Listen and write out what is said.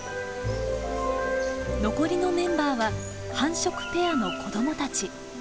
残りのメンバーは繁殖ペアの子どもたち。